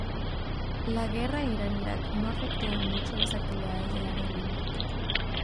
La guerra Irán-Irak no afectó en mucho las actividades de la aerolínea.